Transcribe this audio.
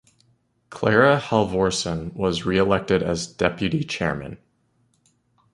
Clara Halvorsen was reelected as deputy chairman.